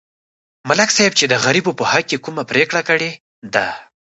ملک صاحب چې د غریبو په حق کې کومه پرېکړه کړې ده